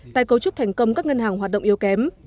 tài cấu trúc thành công các ngân hàng hoạt động yếu kém